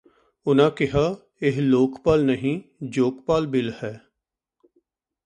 ਉਨ੍ਹਾਂ ਕਿਹਾ ਇਹ ਲੋਕਪਾਲ ਨਹੀਂ ਜੋਕਪਾਲ ਬਿੱਲ ਹੈ